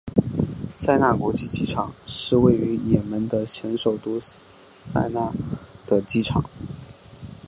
萨那国际机场是位于也门的前首都萨那的机场。